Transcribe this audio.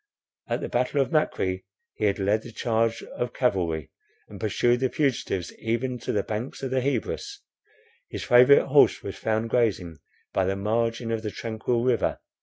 At the battle of Makri he had led the charge of cavalry, and pursued the fugitives even to the banks of the Hebrus. His favourite horse was found grazing by the margin of the tranquil river.